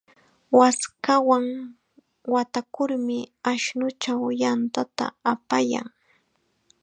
Waskawan watarkurmi ashnuchaw yantata apayan.